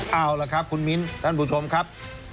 เอาล่ะครับคุณมิ้นท่านผู้ชมครับ